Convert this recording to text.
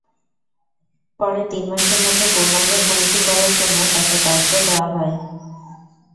পরে তিন মাসের মধ্যে পূর্ণাঙ্গ কমিটি করার জন্য তাঁদের দায়িত্ব দেওয়া হয়।